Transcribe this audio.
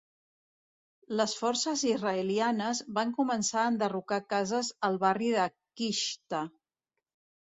Les forces israelianes van començar a enderrocar cases al barri de Qishta.